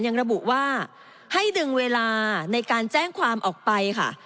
ระบุว่าให้ดึงเวลาในการแจ้งความออกไปค่ะ